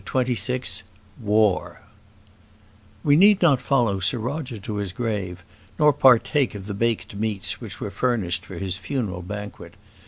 CHAPTER XXVI War We need not follow Sir Roger to his grave, nor partake of the baked meats which were furnished for his funeral banquet.